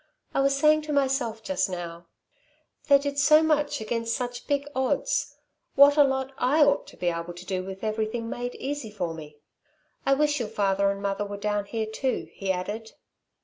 I was saying to myself just now: 'They did so much against such big odds, what a lot I ought to be able to do with everything made easy for me." "I wish your father and mother were down here, too," he added.